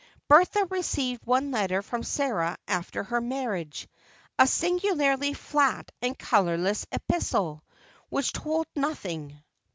Bertha received one letter from Sarah after her marriage, a singularly flat and colorless epistle, which told nothing.